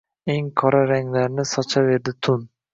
Eng qora ranglarni sochaverdi tun.